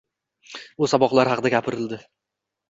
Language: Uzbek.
U saboqlari haqida gapiridi